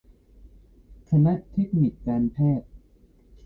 คณะเทคนิคการแพทย์